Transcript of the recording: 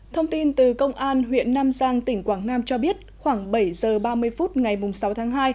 thông tin từ công an huyện nam giang tỉnh quảng nam cho biết khoảng bảy giờ ba mươi phút ngày sáu tháng hai